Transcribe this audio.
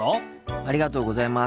ありがとうございます。